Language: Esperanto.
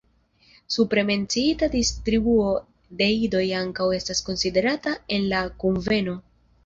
Supre menciita distribuo de idoj ankaŭ estas konsiderata en la kunveno.